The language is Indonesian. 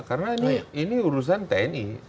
karena ini urusan tni